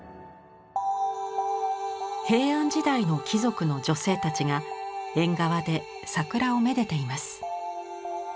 平安時代の貴族の女性たちが縁側で桜をめでています。